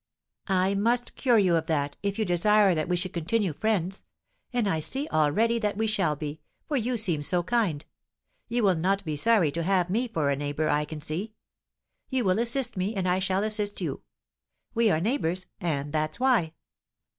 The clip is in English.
"I must cure you of that, if you desire that we should continue friends; and I see already that we shall be, for you seem so kind! You will not be sorry to have me for a neighbour, I can see. You will assist me and I shall assist you, we are neighbours, and that's why.